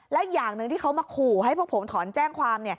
และอย่างหนึ่งที่เขามาขู่ให้พวกผมถอนแจ้งความ